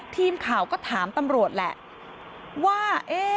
ทีมข่าวก็ถามตำรวจแหละว่า